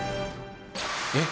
えっ？